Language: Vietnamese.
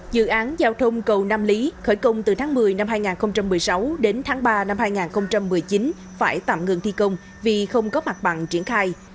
dự án giao thông cầu nam lý khởi công từ tháng một mươi năm hai nghìn một mươi sáu đến tháng ba năm hai nghìn một mươi chín phải tạm ngừng thi công vì không có mặt bằng triển khai